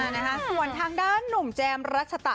นะคะส่วนทางด้านหนุ่มแจมรัชตะ